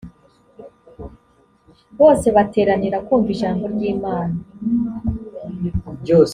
bose bateranira kumva ijambo ry imana